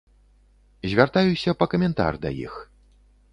Звяртаюся па каментар да іх.